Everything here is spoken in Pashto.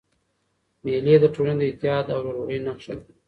مېلې د ټولني د اتحاد او ورورولۍ نخښه ده.